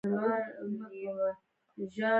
غوږونه له نفرت سره مخالفت کوي